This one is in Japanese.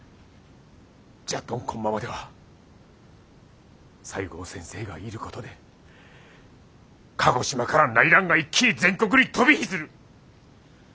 じゃっどんこんままでは西郷先生がいることで鹿児島から内乱が一気に全国に飛び火する。